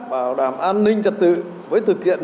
bảo đảm an ninh trật tự với thực hiện